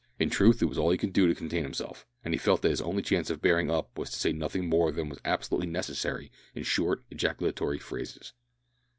In truth it was all he could do to contain himself, and he felt that his only chance of bearing up was to say nothing more than was absolutely necessary in short ejaculatory phrases.